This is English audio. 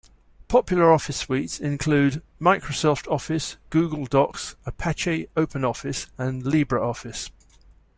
Popular office suites include Microsoft Office, Google Docs, Apache OpenOffice, and LibreOffice.